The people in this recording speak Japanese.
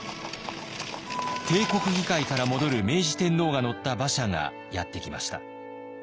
帝国議会から戻る明治天皇が乗った馬車がやって来ました。